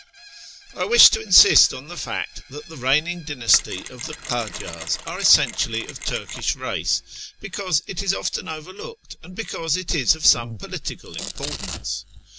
I wish to insist on the fact that the reigning dynasty of the Kajars are essentially of Turkish race, because it is often overlooked, and because it is of some political importance.